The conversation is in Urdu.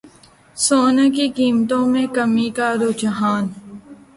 سونے کی قیمتوں میں کمی کا رجحان